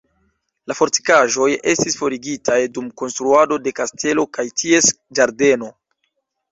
La fortikaĵoj estis forigitaj dum konstruado de kastelo kaj ties ĝardeno.